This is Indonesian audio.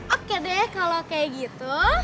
oke deh kalau kayak gitu